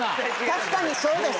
確かにそうです。